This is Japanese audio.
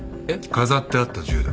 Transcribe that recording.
飾ってあった銃だ。